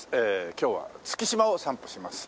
今日は月島を散歩します。